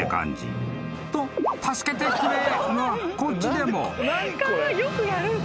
［と「助けてくれ」がこっちでも］